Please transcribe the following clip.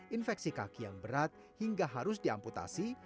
infeksi kaki yang berat hingga harus diamputasi